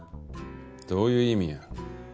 どういう意味や？